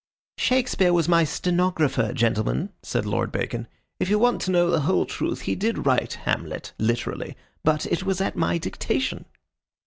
"Shakespeare was my stenographer, gentlemen," said Lord Bacon. "If you want to know the whole truth, he did write Hamlet, literally. But it was at my dictation."